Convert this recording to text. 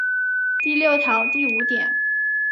第六条第五点